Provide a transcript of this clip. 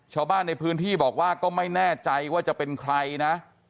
ชาวบ้านในพื้นที่บอกว่าก็ไม่แน่ใจว่าจะเป็นใครนะ